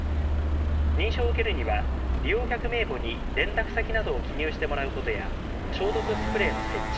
認証を受けるには利用客名簿に連絡先などを記入してもらうことや消毒スプレーの設置